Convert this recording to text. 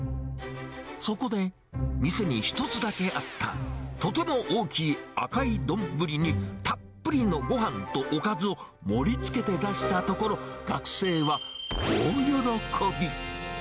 そこで、店に１つだけあったとても大きい赤い丼に、たっぷりのごはんとおかずを盛りつけて出したところ、学生は大喜び。